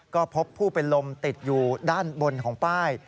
ก็พบผู้เป็นลมติดอยู่ด้านบนของป้าย